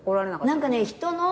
何かね